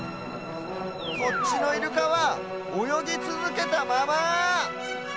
こっちのイルカはおよぎつづけたまま。